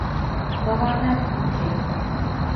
Товатат, уке!